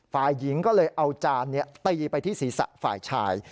ฝ่ายหญิงก็เลยเอาจานตีไปที่ศีรษะฝ่ายชาย